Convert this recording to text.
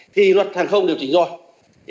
thì luật hàng không đều chỉnh rồi